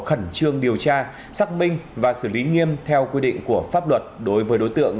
khẩn trương điều tra xác minh và xử lý nghiêm theo quy định của pháp luật đối với đối tượng